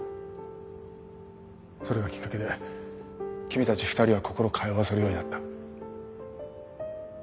それがきっかけで君たち２人は心を通わせるようになった。